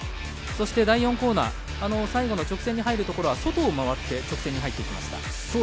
そして第４コーナー最後の直線に入るところは外を回って直線に入っていきました。